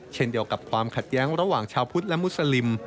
เช่นเดียวกับความขัดแย้งระหว่างชาวพุทธและมุสลิม